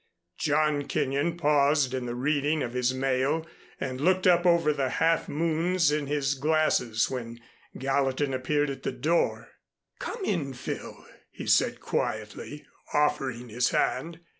John Kenyon paused in the reading of his mail and looked up over the half moons in his glasses when Gallatin appeared at the door. "Come in, Phil," he said quietly, offering his hand.